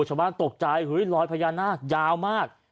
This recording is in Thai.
ชาวบ้านตกใจเฮ้ยรอยพญานาคยาวมาก